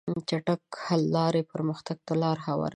چټک حل لارې پرمختګ ته لار هواروي.